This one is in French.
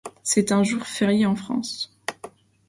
C'est un jour férié en France.